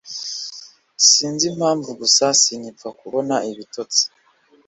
sinzi impamvu gusa sinkipfa kubona ibitotsi